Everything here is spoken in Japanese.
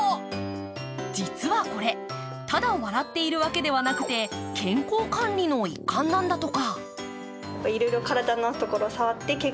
実はこれ、ただ笑っているわけではなくて健康管理の一環なんだとか。